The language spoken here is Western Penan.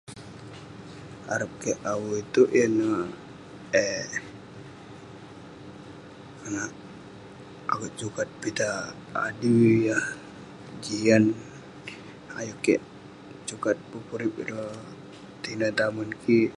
Arep kik awu itouk yan neh eh..akouk sukat pitah adui yah jian, ayuk kikbsukat pepurip ireh tinen tamen kik..